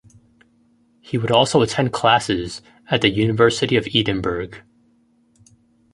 He would also attend classes at the University of Edinburgh.